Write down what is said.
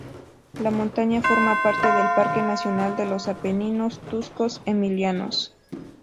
La montaña forma parte del Parque nacional de los Apeninos tosco-emilianos.